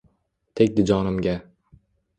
Tegdi jonimga